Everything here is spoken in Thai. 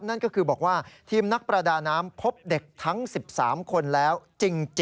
นั่นก็คือบอกว่าทีมนักประดาน้ำพบเด็กทั้ง๑๓คนแล้วจริง